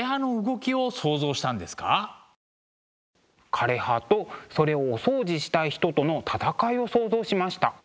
枯れ葉とそれをお掃除したい人との戦いを想像しました。